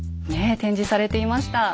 展示されていました。